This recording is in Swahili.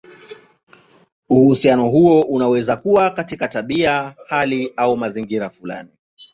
Uhusiano huo unaweza kuwa katika tabia, hali, au mazingira fulani.